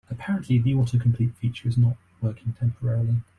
Apparently, the autocomplete feature is not working temporarily.